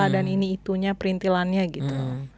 dan ini itunya perintilannya gitu